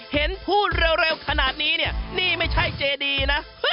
เห็นพูดเร็วขนาดนี้เนี่ยนี่ไม่ใช่เจดีนะ